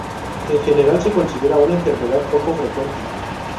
En general, se considera una enfermedad poco frecuente.